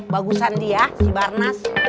bagusan dia si barnes